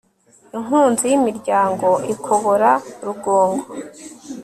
inkunzi y'imiryango ikobora rugongo